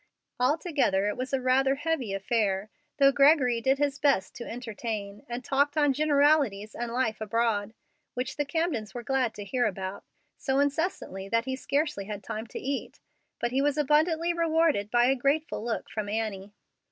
Altogether it was a rather heavy affair, though Gregory honestly did his best to entertain, and talked on generalities and life abroad, which the Camdens were glad to hear about, so incessantly that he scarcely had time to eat. But he was abundantly rewarded by a grateful look from Annie.